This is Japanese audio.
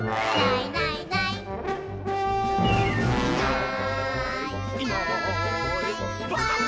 「いないいないばあっ！」